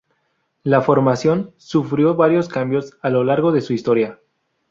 La formación sufrió varios cambios a lo largo de su historia.